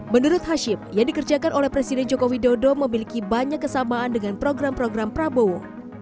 menurut hashim yang dikerjakan oleh presiden joko widodo memiliki banyak kesamaan dengan program program prabowo